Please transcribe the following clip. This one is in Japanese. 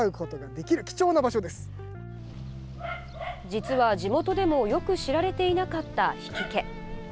実は、地元でもよく知られていなかった比企家。